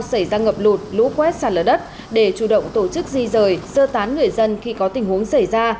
xảy ra ngập lụt lũ quét sạt lở đất để chủ động tổ chức di rời sơ tán người dân khi có tình huống xảy ra